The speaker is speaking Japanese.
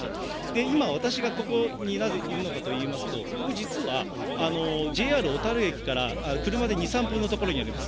今、私がここになぜいるのかといいますと、ここ実は、ＪＲ小樽駅から車で２、３分の所にあります